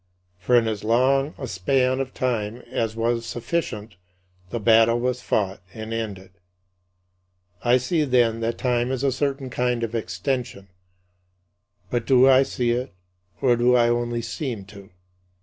For in as long a span of time as was sufficient the battle was fought and ended. I see, then, that time is a certain kind of extension. But do I see it, or do I only seem to?